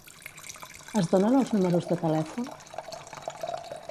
Es donen els números de telèfon?